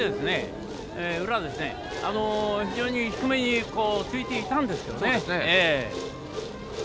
非常に低めについていたんですけれどね。